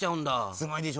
すごいでしょ。